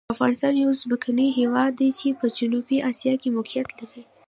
افغانستان یو ځمکني هېواد دی چې په جنوبي آسیا کې موقعیت لري.